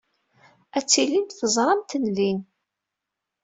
Ad tilimt teẓramt-ten din.